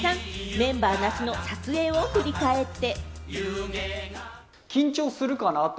メンバーなしの撮影を振り返って。